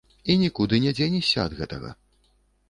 І нікуды не дзенешся ад гэтага.